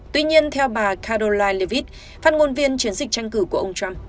tuy nhiên theo bà caroline leavitt phát ngôn viên chiến dịch tranh cử của ông trump